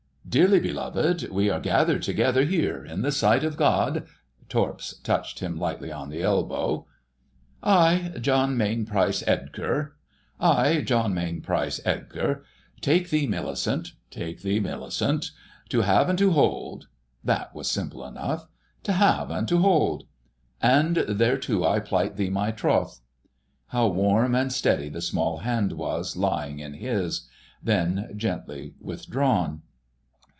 "Dearly beloved, we are gathered together here in the sight of God...." Torps touched him lightly on the elbow. "I, John Mainprice Edgar..." "I, John Mainprice Edgar:" "Take thee, Millicent..." "Take thee, Millicent:" "To have and to hold..." This was simple enough—"To have and to hold:" "And thereto I plight thee my troth." How warm and steady the small hand was, lying in his: then gently withdrawn.